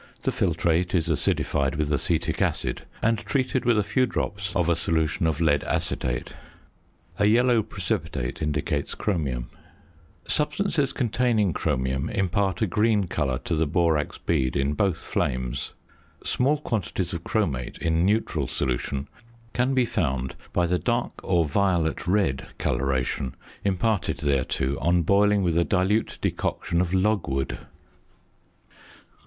The filtrate is acidified with acetic acid, and treated with a few drops of a solution of lead acetate. A yellow precipitate indicates chromium. Substances containing chromium impart a green colour to the borax bead in both flames. Small quantities of chromate in neutral solution can be found by the dark or violet red colouration imparted thereto on boiling with a dilute decoction of logwood.